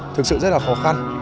thực sự rất là khó khăn